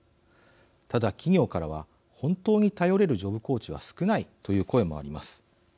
ただ企業からは本当に頼れるジョブコーチは少ないという声もあります。